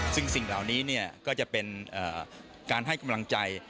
ซึ่งสิ่งเหล่านี้ก็จะเป็นการให้กำลังใจ